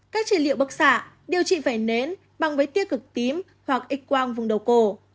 các trị liệu bức xạ điều trị vẩy nến bằng với tiêu cực tím hoặc ích quang vùng đầu cổ